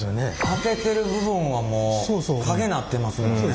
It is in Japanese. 当ててる部分はもう影なってますもんね。